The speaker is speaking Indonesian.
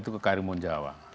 ke karimun jawa